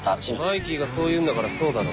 「マイキーがそう言うんだからそうだろ」